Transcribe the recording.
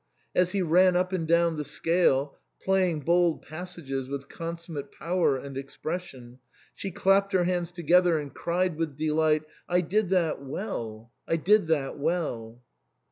As he ran up and down the scale, playing bold passages with consum mate power and expression, she clapped her hands to gether and cried with delight, I did that well ! I did that well